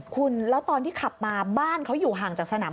คุณแล้วตอนที่ขับมาบ้านเขาอยู่ห่างจากสนาม